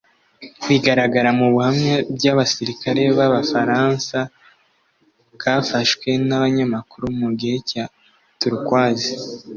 Bigaragara mu buhamya by’abasirikare b’Abafaransa bwafashwe n’abanyamakuru mu gihe cya Turquoise